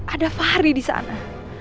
ada fahri di sana